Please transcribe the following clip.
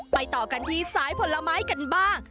ต่อกันที่สายผลไม้กันบ้าง